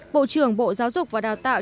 bộ trưởng bộ giáo dục và đào tạo